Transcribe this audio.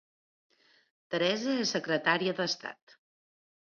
Teresa és secretària d'Estat